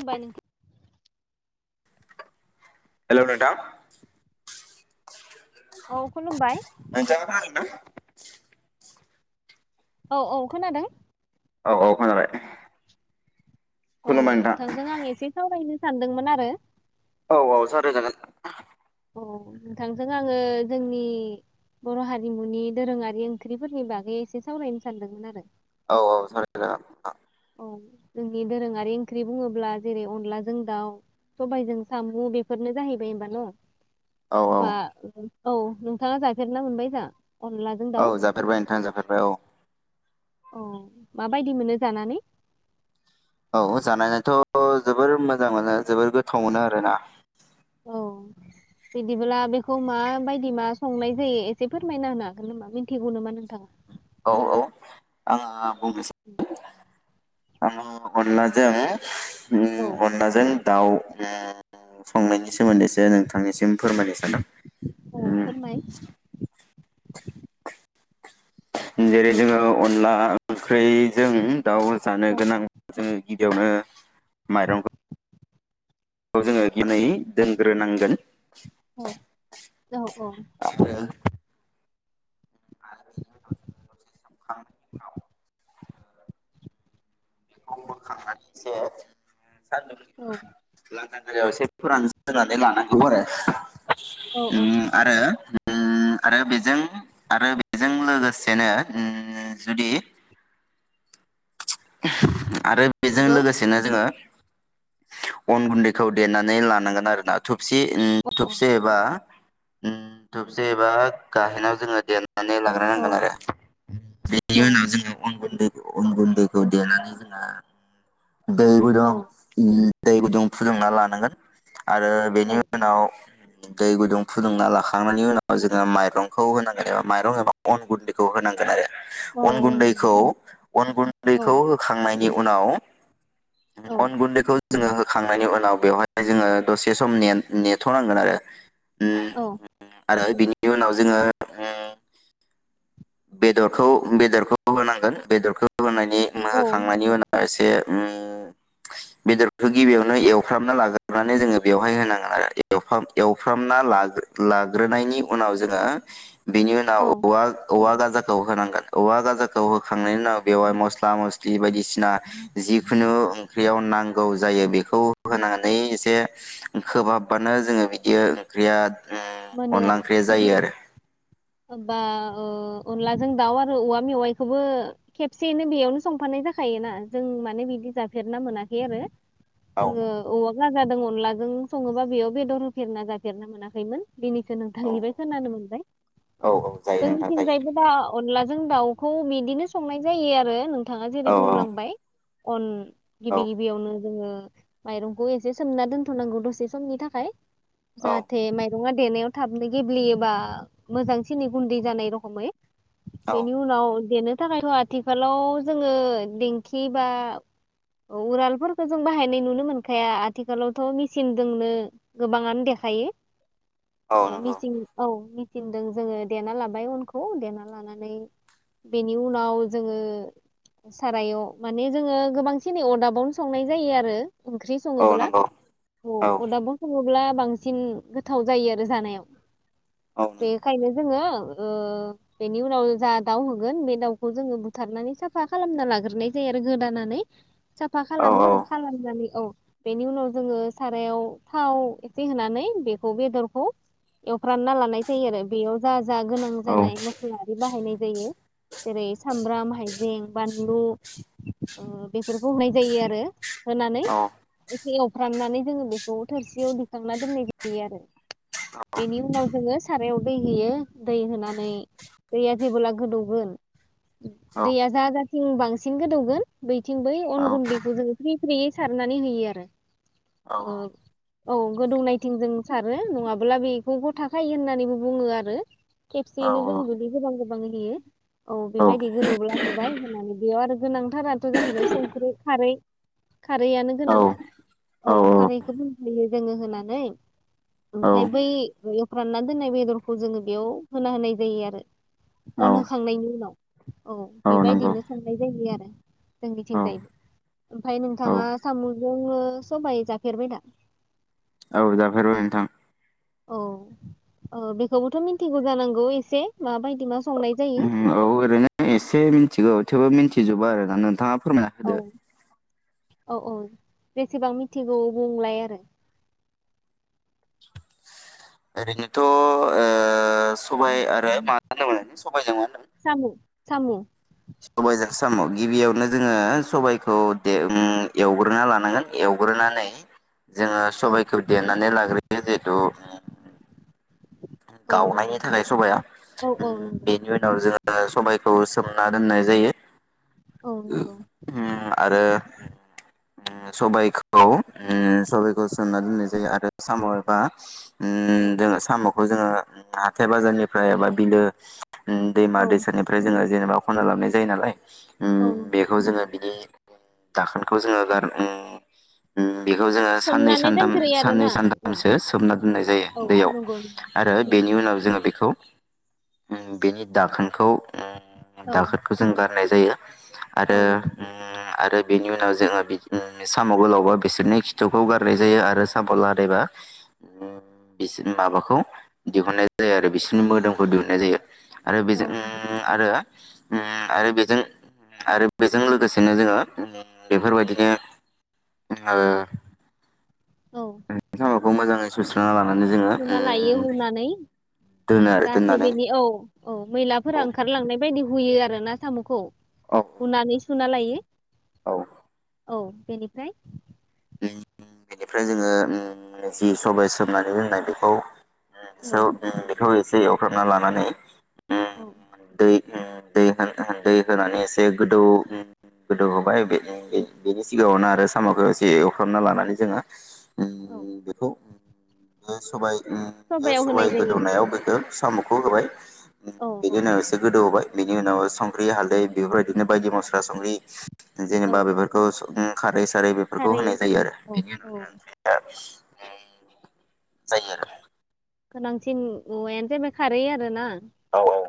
उबाय नोथां। हेलोव नोंथां औ खुलुमबाय नोंथां आ थारैनो औ औ खोनादों। औ औ खोनाबाय। औ खुलुमबाय नोंथां नोंथांजों आं एसे सावरायनो सानदोंमोन आरो। औ औ साराय जागोन। औ नोंथांजों आङो जोंनि बर हारिमुनि दोरोङारि ओंख्रिफोरनि बागै एसे सावरायनो सानदोंमोन आरो। औ औ सावराय जागोन। औ जोंनि दोरोङारि ओंख्रि बुङोब्ला जेरै-अनलाजों दाउ, सबायजों सामु बेफोरनो जाहैबाय होनबा न? औ औ बा ओ औ नोंथाङा जाफेरना मोनबाय जा? अनलाजों औ दाउ जाफेरबाय नोंथां जाफेरबाय औ। अह माबायदि मोनो जानानै? औ जानायनोथ जोबोर मोजां मोनो जोबोर गोथाव मोनो आरोना। औ बिदिब्ला बेखौ माबायदि मा संनाय जायो एसे फोरमायना होनो हागोन नामा मिन्थिगौ नामा नोंथाङा? औ औ आङो बुंनोसै आङो अनलाजों उम औ अनलाजों दाउ ओम संनायनि सोमोन्दै ए से नोंथांनिसिम फोरमायनो सानदों। औ फोरमाय जेरै-जोङो अनला ओंख्रिजों दाउ जानो औ गोनां जोंनि गिबियावनो माइरंखौ खौ जोङो गिनै दोनग्रोनांगोन। औ औ औ आरो खांनायखौ [unintelligible] [unintelligible] औ [unintelligible] एसे फोरानस्रोनानै लानांगौ आरो औ औ ओम आरो ओम आरो बेजों आरो बेजों लोगोसेनो ओम जुदि [inaudible] आरो बेजों नंगौ लोगोसेनो जोङो अन गुन्दैखौ देनानै लानांगोन आरोना थबसि ओम औ थबसि एबा ओम थबसि एबा गाहेनाव जोङो दे नानै औ लाग्रोनांगोन आरो ओम बिनि औ उनाव जोंङो नंगौ अन गुन्दै अन गुन्दै खौ देनानै जोंहा दैबो दं ओम दै गुदुं फुदुंना लानांगोन आरो औ बेनि उनाव दै गुदुं फुदुंना लाखांनायनि उनाव जोङो माइरंखौ होनांगोन एबा माइरं एबा अन गुन्दैखौ होनांगोन आरो औ अन औ नंगौ गुन्दैखौ अन गुन औ बेखौ होखांनाय नाय नि उनाव औ अन गुन्दैखौ जोङो होखांनायनि उनाव बेवहाय जोङो दसे सम ने-नेथ'नांगोन आरो उम औ आरो बिनि उनाव जोङो ओम बेदरखौ बेदरखौ होनांगोन बेदरखौ होनायनि औ मोनहोखांनायनि नंगौ उनाव एसे ओम बेदरखौ गिबियावनो एवफ्रामना लाग्रोनानै जोङो बेवहाय होनांगोन आरो एवफाम एवफ्रामना लाग्रो लाग्रोनायनि उनाव जोङो बेनि उनाव औ औवा औवा गाजाखौ होनांगोन औवा गाजाखौ हो खांनायनि उनाव बेवहाय मस्ला मस्लि बायदिसिना जिखुनु ओंख्रियाव नांगौ जायो बेखौ होनानै एसे खोबहाबबानो जोङो बिदि ओंख्रिया ओम अनला ओंख्रिया जायो आरो ओमबा ओ अनलाजों दाउ आरो औवा मेवाइखौबो खेबसेयैनो बेयावनो संफानाय जाखायोना जों माने बिदि जाफेरना मोनाखै आरो औ जोङो नंगौ औवा गाज जादों अनलाजों सङोबा बेयाव बेदर होफेरना जाफेरना मोनाखैमोन। दिनैसो औ नोंथांनिबाय खोनानो मोनबाय। औ जायो नोंथां जोंनिथिं जायो जायबो दा अनलाजों दाउखौ बिदिनो संनाय जायो आरो नों थांङा औ जेरै-बुंलांबाय उन गिबि गिबियावनो जोङो माइरंखौ एसे सोमना दोनथनांगौ दसे समनि थाखाय। औ जाहाथे माय नङा देनायाव थाबनो गेब्लेयोबा मोजांसिन गुन्दै जानाय रखमै औ बेनि उनाव देनो थाखायथ आथिखालाव जोङो दिंखि बा उरालफोरखौ जों बाहायनाय नुनो मोनखाया आथिखालावथ मेचिनजोंनो गोबाङानो देखायो। औ मिसिं औ मि थिनदों जोङो देना लाबाय अनखौ देना लानानै बेनि उनाव जोङो सारायाव माने जोङो गोबांसिनै अरदाबावनो संनाय जायो आरो। ओंख्रि औ सोङोब्ला नंगौ औ औ अदाबाव संङो ब्ला बांसिन गोथाव जायो आरो जानायाव। औ नंगौ बेखायनो‌ जोङो ओ बेनि उनाव जा दाउ होगोन बे दाउखौ जोङो बुथारनानै साफा खालामना लाग्रोनाय जायो आरो गोदानानै। साफा औ खालामो खालामनानै औ बेनि उनाव जोङो सारायाव थाव एसे होनानै बेखौ बेदरखौ एवफ्रानना लानाय सै आरो बेयाव जा जा गोनां जानाय मस्ला आरि बाहायनाय जायो। जेरै-सामब्राम, हायजें, बानलु ओ बेफोरखौ होनाय जायो आरो, होनानै एसे एवफ्रामनानै जोङो बेखौ थोरसियाव दिखांना दोननाय जायो आरो, बेनि उनाव जोंङो सारायाव दै होयो दै होनानै दैया जेबोला गोदौगोन दैया जा थिं बांसिन गोदौगोन बै थिं बै अन गुनन्द बेखौ जोंङो फ्रि फ्रि सारनानै होयो आरो। अ औ गोदौनायथिं जों सारो नङाब्ला बेखौखौ थाखायो होननानै बो बुंङो आरो। खेसेयनो जों जुदि गोबां गोबां बांयै होयो औ बेबायदि गोदौब्ला होबाय होननानै बेयाव आरो गोनांथाराथ जाहैबाय संख्रि, खारै खारैआनो गोनां औ खारैखौ बुंफैयो। जोंङो होननानै ओमफ्राय बै फ्रानना दोननाय बेदरखौ जोङो बेयाव होना होनाय जायो आरो। अन होखांनायनि उनाव औ नंगौ बेबायदिनो संनाय जायो आरो। जोंनिथिं औ जायबो ओमफ्राय नोंथाङा औ सामु नोंङो सबाय जाफेरबाय दा? औ जाफेरबाय नोंथां। औ औ बेखौबोथ मिथिगौ जानांगौ एसे माबाय उम औ ओरैनो एसे मिथिगौ थेवबो मिनथि जोबा आरो ना नोंथाङा फोरमायना औ होदो औ औ बेसेबां मिथिगौ बुंलाय आरो ओरैनोथ ओ सबाय आरो मा होनदोमोन सबायजों मा होनदोंमोन? साम' साम' सबायजों साम'गिबियावनो जोङो सबाइखौ दे उम एवग्रोना लानांगोन एवग्रोनानै जोङो औ सबाइखौ देनानै लाग्रोयो जिहेतु उम औ नंगौ गावनायनि थाखाय सबाया औ औ नंगौ बेनि उनाव जोङो सबाइखौ सोमना दोननाय जायो। औ नंगौ। उम आरो उम सबायखौ उम खौ बेखौ सोमना दोननाय जायो आरो साम'एबा उम औ जोङो साम'ख बो जोङो उम हाथाय बाजारनिफ्राय एबा बिलो उम दैमा औ दैसानिफ्राय जोङो जेनेबा खनना लाबनाय जायो नालाय उम औ नंगौ बेखौ जोङो बिदि दाखोनखौ जोङो गारौ उम उम बेखौ जोङो सानै सोमनानै सानथाम दोनग्रोयो साननै आरोना औ सानथामसो सोमना दोननाय जायो औ दैयाव नंगौ आरो नंगौ बेनि उनाव जोङो बेखौ उम बेनि दाखोनखौ ओम नंगौ दाखोनखौ जों गार होननाय जायो। औ आरो नंगौ होम आरो बेनि उनाव जोङो बिदिनो साम गोलावबा बिसोरनि खिथुखौ गारनाय जायो आरो साम लादायबा बिसिनि माबाखौ दिहुननाय जायो आरो बिसोरनि मोदोमखौ दिहुननाय जायो। आरो औ बेजों नंगौ आरो होम आरो बेजों आरो बेजों लोगोसेनो जोङो होम बेफोरबायदिनो ओ औ मखौ मोजाङै सुस्रां लानांग मानो जोङो हुना ओ लायो हुनानै जाहाथे बेनि औ औ औ मैलाफोरा ओंखारलांनाय बायदि हुयो आरो ना सामखौ औ हुनानै सुना लायो औ औ बेनिफ्राय बेनि बेनिफ्राय जोङो ओ जि सबाय सोमनानै दोननाय बेखौ ओम औ सौ ओम बेखौ ए दै एवख्रांना लानानै औ होम दै होना दै होनानै एसे गोदौ ओम गोदौ होबाय बेनि बेनि सिगाङावनो आरो साम खौ एसे बे एवफ्रामना लानानै जोङो ओम औ बेखौ बे सबाय ओम बे सबायाव सबाय होनाय जायो गोदौनायाव होदो साम खौ होबाय। औ औ बिदिनो एसे गोदौ होबाय। बिनि उनाव संख्रि हालदै बेफोरबायदिनो बायदि मस्ला संख्रि औ जेनेबा बेफोरखौ स ओ खारै सारै बेफोरखौ खारै होनाय जायो आरो औ बेनि औ उनाव जों ओ जायो आरो गोनांसिन मुवायानो जाबाय खारहै आरोना औ औ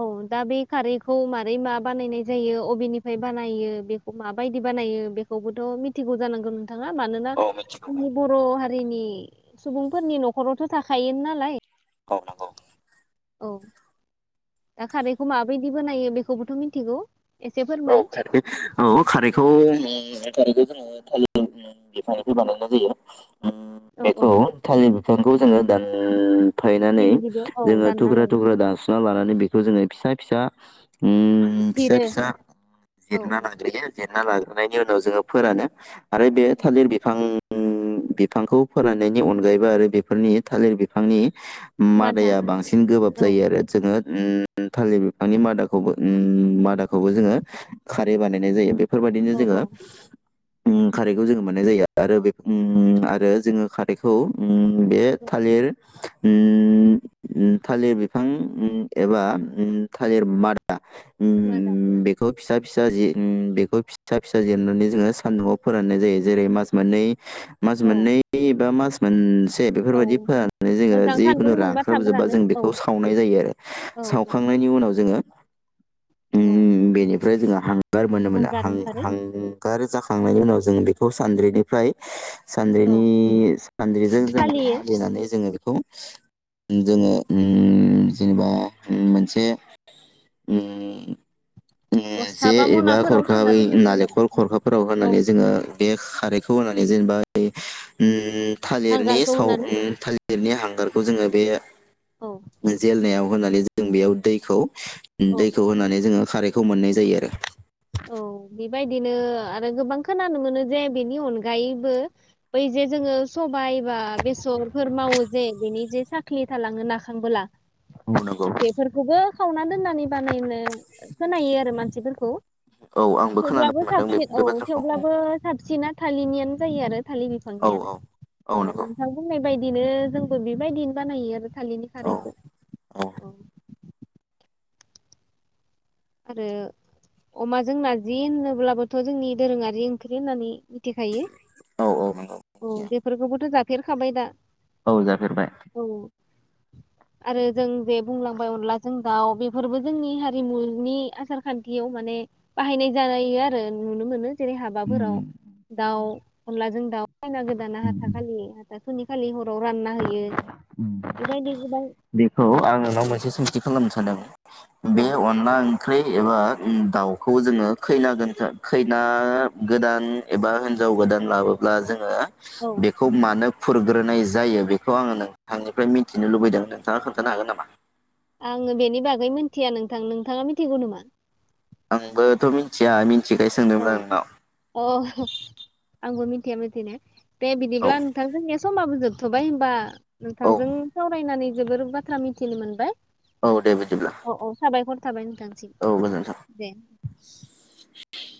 औ दा बे खारैखौ मारै मा बानायनाय जायो अबेननिफ्राय बानायो बेखौ माबायदि बानायो बेखौबोथ मिथिगौ जानांगौ थाङा मानोना औ मिथिगौ जोंनि औ बर हा रिनि सुबुंफोरनि नखरावथ था हायो नालाय औ नंगौ। औ दा खारैखौ माबै दि बानायो बेखौबोथ मिन्थिगौ। औ खारदै औ खारैखौ ए खारैखौ जोङो थालिर दफां बिफांनिफ्राय बानायनाय जायो। ओम औ औ बेखौ थालिर सोंगौ जोंगो दान फायनानै गिबि गिबियाव औ जोङो दानना थुख्रा लायो थुख्रा दानसना लानानै बेखौ जोङो फिसा फिसा उम फिसा जिरो फिसा उम औ जिरना औ लाग्रोयो जे ना लाग्रोनाय नि उनाव जोङो फोरानो आरो बे थालिर बिफां उम बिफांखौ फोराननायनि अनगायैबो आरो बेफोरनि थालिर बिफांनि मादा मादाया बांसिन गोबाब औ जायो आरो जोङो उम थालिर बिफांनि मादाखौ उम मादाखौबो जोङो खारै बानायनाय जायो बे फोरबायदिनो औ जोङो औ उम खारैखौ जोङो मोननाय जायो आरो बे उम आरो जोङो खारैखौ उम बे औ थालिर उम उम थालिर बिफां उम एबा उम थालिर मादा मादा औ सा फिसा जि उम बेखौ फिसा फिसा जिरनानै जोङो सान्दुंआव फोराननाय जायो जेरै -मास मोननै मास औ मोननै बा मास मोनस दे औ बेफोरबायाददि फोराननानै जोङो मोजां सान्दुं जिखुनु मोनबा थाब रानख्राबजोबबा रानो जों औ बेखौ सावनाय जायो आरो औ औ सावखांनायनि उनाव जोङो औ फ्राय जोंहा हां गार मोनो मोना हांगार हां ओंखारो हां गार जाखांनायनि उनाव जों बेखौ सानद्रिनिफ्राय सानद्रिनि औ सानद्रिजों जोङो सालियो सालिनानै जोङो बे खौ औ जोंङो उम जेनेबा मोनसे उम ओम बस्था जे बा एबा मनाफोराव सोना खरखाबै दोननाय जायो नालेंखर खरखाफोराव आरो औ होनानै जोङो बे खा खारैखौ होनानै जेनेबा उम थालिरनि हांगारखौ साव होनानै उम थालिर गिदिरनि हांगारखौ जोङो बे औ जेल नायाव। होननानै जों बेयाव दैखौ औ औ दैखौ होनानै जोङो। खारेग खौ मोननाय जायो आरो औ बेबायदिनो आरो गोबां खोनानो मोनो जे बेनि अनगायैबो बै जे जोङो सबायाइ बा बेसरफोर मावो जे बिनि जे साख्रि थालाङोना खांबोला नंगौ बेफोरखौबो खावना दोननानै बानायनो खोनायो आरो मानसिफोरखौ औ आंबो खोनानो थेवब्लाबो मोनदों बे साबसिन बे औ बाथ्राखौ औ थेवब्लाबो साबसिना थालिरनियानो जायो आरो थालिर औ बिफांनियानो औ नंगौ नोंथां बुंनाय बेबायदिनो जोंबो बेबायदिनो बानायो आरो थालिरनि औ खारैखौ औ आरो अमाजों नारजि होनोब्लाबोथ जोंनि दोरोङारि ओंख्रि होननानै मिथिखायो औ औ नंगौ औ बेफोरखौबोथ जाब फेरखाबाय दा? औ जफेरबाय। औ आरो जों जे बुंलांबाय अनलाजों दाउ बेफोरबो जोंनि हारिमु नि आसार खान्थियाव माने बाहायनाय जायो आरो नुनो मोनो जेरै हाबाफोराव दाउ अनलाजों दाउ खैना गोदाना हाथााखालि हाथा सनि खालि हर ओम गोबां बेखौ आं नोंनाव मोनसे सोंथि खालामनो सानदों? बे न' अनला ओं ओख्रि एबा दाउखौ जोङो खैना गोदानखो खैना गोदान एबा हिनजाव गोदान लाबोब्ला जोङो औ बेखौ मानो खुरग्रोनाय जा जायो बेखौ आङो नोंथांनिफ्राय मिथिनो लुबैदों नोंथाङा खोन्थानो हागोन नामा? आङो बेनि बागै मिथिया नोंथां नोंथाङा मिथिगौ नामा? आंबोथ मिन्थिया मि थिखाय औ सोंदोंमोन नोंनाव अ । आंबो मिथिया मिथिनो। दे बिदिब्ला नोंथां जोंनिया समाबो जोबथ'बाय होमबा? औ नोंथांजों सावरायनानै जोबोर बाथ्रा मिथिनो मोनबाय । औ दे बिदिब्ला। थाबाय। नांसि औ गोजोन्थों। दे। [unintelligible]